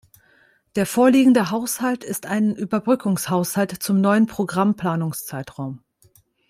Der vorliegende Haushalt ist ein Überbrückungshaushalt zum neuen Programmplanungszeitraum.